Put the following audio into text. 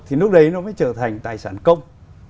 thì lúc đấy nó mới trở thành tài sản công